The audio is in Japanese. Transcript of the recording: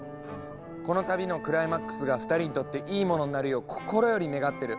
この旅のクライマックスが２人にとっていいものになるよう心より願ってる。